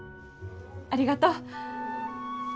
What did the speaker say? ありがとう。